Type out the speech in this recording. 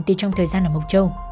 từ trong thời gian ở mộc châu